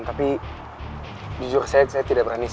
tapi jujur saya tidak berani